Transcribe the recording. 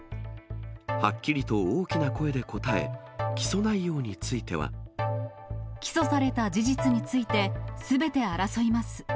はっきりと大きな声で答え、起訴された事実について、すべて争います。